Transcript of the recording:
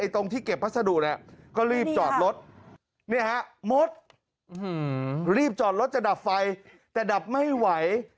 ตรงที่เก็บพัสดุก็รีบจอดรถมดรีบจอดรถจะดับไฟแต่ดับไม่ไหว